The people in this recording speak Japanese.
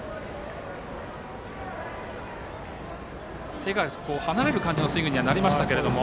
手が離れる感じのスイングにはなりましたけれども。